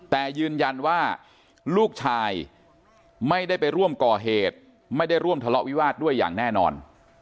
แต่ยืนยันว่าลูกชายไม่ได้ไปร่วมก่อเหตุไม่ได้ร่วมทะเลาะวิวาสด้วยอย่างแน่นอน